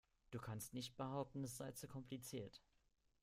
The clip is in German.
Du kannst nicht behaupten, es sei zu kompliziert.